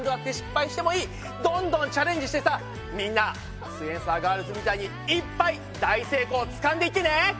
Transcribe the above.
どんどんチャレンジしてさみんなすイエんサーガールズみたいにいっぱい大成功つかんでいってね！